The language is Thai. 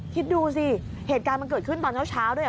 คิดดูสิเหตุการณ์มันเกิดขึ้นตอนเช้าด้วย